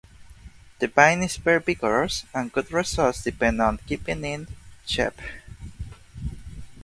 The vine is very vigorous, and good results depend on keeping it in check.